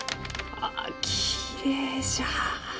ああきれいじゃ。